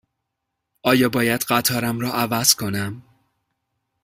آیا باید قطارم را عوض کنم؟